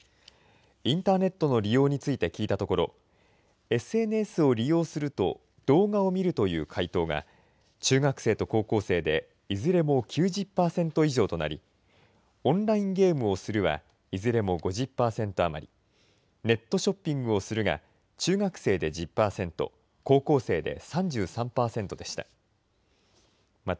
インターネットの利用について聞いたところ、ＳＮＳを利用すると動画を見るという回答が、中学生と高校生でいずれも９０％以上となり、オンラインゲームをするはいずれも５０％余り、ネットショッピングをするが中学生で１０％、高校生で３３％でした。